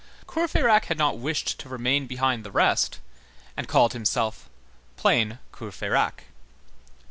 Courfeyrac had not wished to remain behind the rest, and called himself plain Courfeyrac.